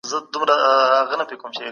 تاسي ولي داسي خوابدي واست؟